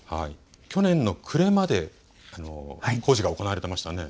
去年の暮れまで工事が行われていましたね。